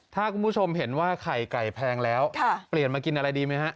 ถ้าคุณผู้ชมเห็นว่าไข่ไก่แพงแล้วเปลี่ยนมากินอะไรดีไหมฮะ